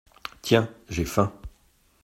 Tiens, j’ai faim.